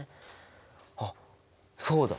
あっそうだ！